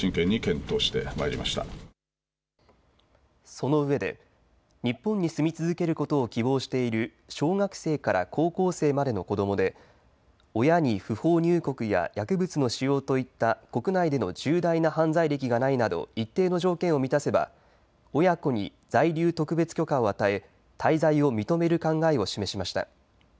そのうえで日本に住み続けることを希望している小学生から高校生までの子どもで親に不法入国や薬物の使用といった国内での重大な犯罪歴がないなど一定の条件を満たせば親子に在留特別許可を与え滞在を認める考えを示しました。